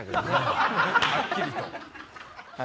はっきりと。